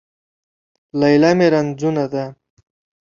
ليلا مې رنځونه ده